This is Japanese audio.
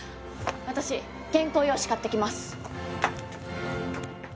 私原稿用紙買ってきます！